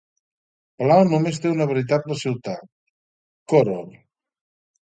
Palau només té una veritable ciutat, Koror.